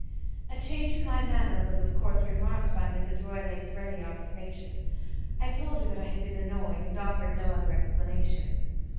A change in my manner was of course remarked by Mrs. Roylake's ready observation. I told her that I had been annoyed, and offered no other explanation.